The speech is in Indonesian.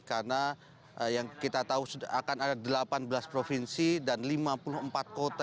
karena yang kita tahu sudah akan ada delapan belas provinsi dan lima puluh empat kota